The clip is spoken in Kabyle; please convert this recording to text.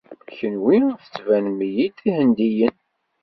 Kenwi tettbanem-iyi-d d Ihendiyen.